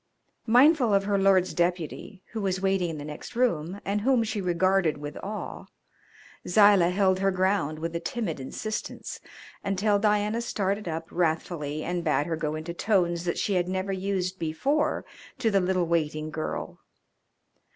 Mindful of her lord's deputy, who was waiting in the next room, and whom she regarded with awe, Zilah held her ground with a timid insistence until Diana started up wrathfully and bade her go in tones that she had never used before to the little waiting girl.